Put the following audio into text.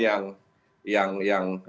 yang sering terjadi